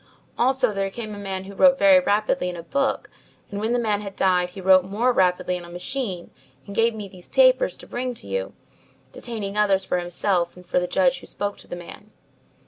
Also there came a man who wrote very rapidly in a book, and when the man had died, he wrote more rapidly on a machine and gave me these papers to bring to you, detaining others for himself and for the judge who spoke to the man."